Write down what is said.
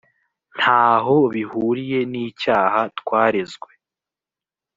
nta ho bihuriye nicyaha twarezwe .